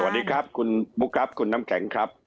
สวัสดีครับคุณบุ๊คครับคุณน้ำแข็งครับ